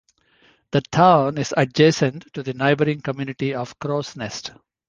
The town is adjacent to the neighboring community of Crows Nest.